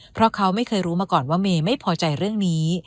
เพราะเขาไม่เคยรู้มาก่อนว่าเมย์ไม่พอใจเรื่องนี้